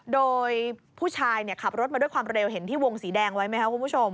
โดยผู้ชายขับรถมาด้วยความเร็วเห็นที่วงสีแดงไหมคะ